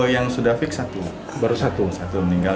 yang sudah fix satu baru satu satu meninggal